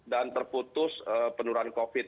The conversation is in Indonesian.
dan terputus penurunan covid